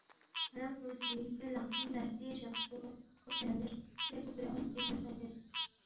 فڑا فرُو سی کھوے لقپِنگ نہ ہرتے جقسپو کوقس، کوقسے نہ زیرس، خسیر پو کھُورے اونگ دیکھہ نہ ہرتا کھیر